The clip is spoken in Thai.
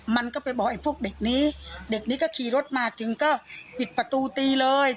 มันก็ไปบอกไอ้พวกเด็กนี้เด็กนี้ก็ขี่รถมาถึงก็ปิดประตูตีเลย